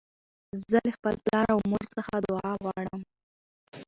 زه له خپل پلار او مور څخه دؤعا غواړم.